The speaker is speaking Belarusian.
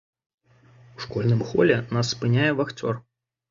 У школьным холе нас спыняе вахцёр.